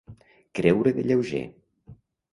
Creure de lleuger.